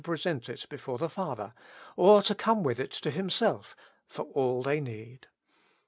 sent it before the Father, or to come with it to Him self for all they need.